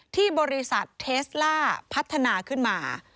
ที่บริษัทเทสล่าพัฒนาขึ้นมา